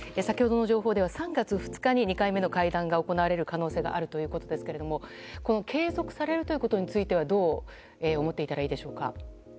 先ほどの情報では３月２日に２回目の会談が行われる可能性があるということですが継続されることについてはどう思ったらいいでしょうか。